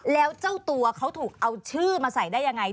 แล้วเจ้าตัวเขาถูกเอาชื่อมาใส่ได้ยังไง